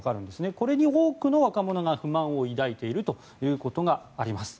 これに多くの若者が不満を抱いているということがあります。